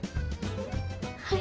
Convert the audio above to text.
はい。